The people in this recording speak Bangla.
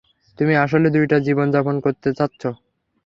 তুমি আসলে দুইটা জীবন যাপন করতে চাঁচ্ছ।